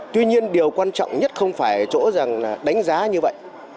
tuy nhiên điều quan trọng nhất không phải ở chỗ rằng là đánh giá như vậy